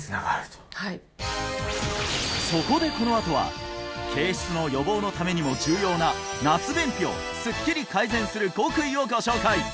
そこでこのあとは憩室の予防のためにも重要な夏便秘をすっきり改善する極意をご紹介！